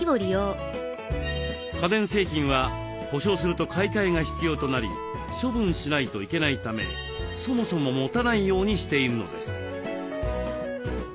家電製品は故障すると買い替えが必要となり処分しないといけないためそもそも持たないようにしているのです。